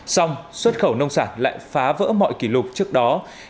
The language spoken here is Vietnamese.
xong xuất khẩu nông sản lại phá vỡ mọi kỷ lục trước đó